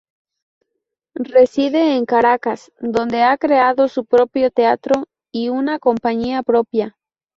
Reside en Caracas, donde ha creado su propio teatro y una compañía propia.